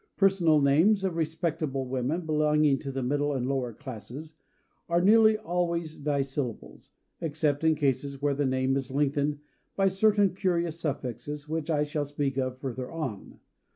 Personal names of respectable women, belonging to the middle and lower classes, are nearly always dissyllables except in cases where the name is lengthened by certain curious suffixes which I shall speak of further on.